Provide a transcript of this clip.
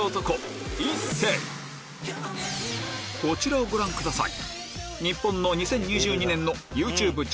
こちらをご覧ください